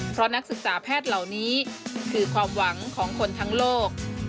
เพราะนักศึกษาแพทย์เหล่านี้คือความหวังของคนทั้งโลก